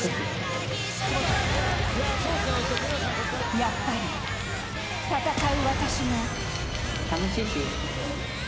やっぱり戦う私が。